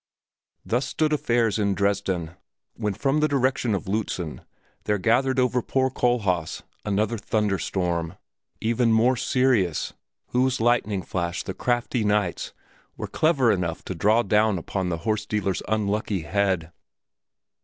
Thus stood affairs in Dresden, when from the direction of Lützen there gathered over poor Kohlhaas another thunder storm, even more serious, whose lightning flash the crafty knights were clever enough to draw down upon the horse dealer's unlucky head.